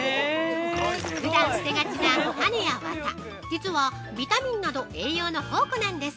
ふだん捨てがちな種や綿実は、ビタミンなど栄養の宝庫なんです。